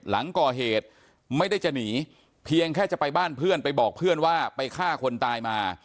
หลังก่อเหตุไม่ได้จะหนีเพียงแค่จะไปบ้านเพื่อนไปบอกเพื่อนว่าไปฆ่าคนตายมา